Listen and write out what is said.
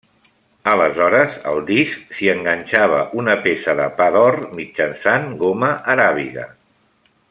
Aleshores, al disc, s'hi enganxava una peça de pa d'or mitjançant goma aràbiga.